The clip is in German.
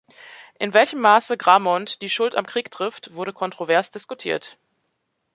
In welchem Maße Gramont die Schuld am Krieg trifft, wurde kontrovers diskutiert.